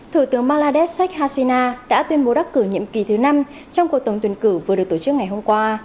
thủ tướng bangladesh sheikh hasina đã tuyên bố đắc cử nhiệm kỳ thứ năm trong cuộc tổng tuyển cử vừa được tổ chức ngày hôm qua